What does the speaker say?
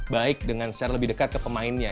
baik dengan share lebih dekat ke pemainnya